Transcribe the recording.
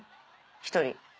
１人。